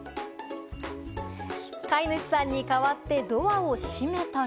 飼い主さんに代わってドアを閉めたり。